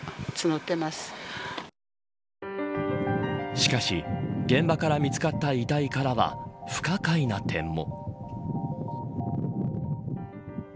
しかし、現場から見つかった遺体からは不可解な点も。